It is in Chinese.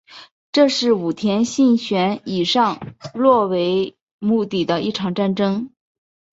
这是武田信玄以上洛为目的的一场战争。